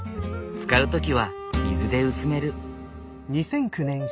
使う時は水で薄める。